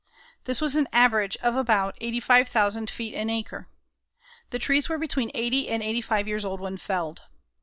This was an average of about 85,000 feet an acre. The trees were between eighty and eighty five years old when felled.